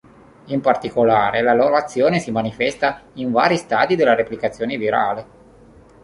In particolare, la loro azione si manifesta in vari stadi della replicazione virale.